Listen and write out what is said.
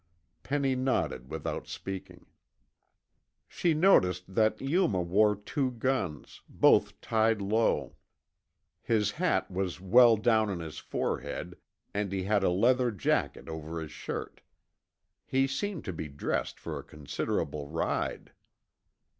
Penny nodded without speaking. She noticed that Yuma wore two guns, both tied low. His hat was well down on his forehead and he had a leather jacket over his shirt. He seemed to be dressed for a considerable ride.